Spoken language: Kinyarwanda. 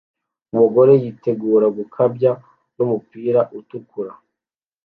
Umugore yitegura gukabya n'umupira utukura